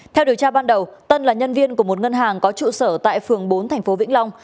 theo điều tra ban đầu tân là nhân viên của một ngân hàng có trụ sở tại phường bốn thành phố vĩnh long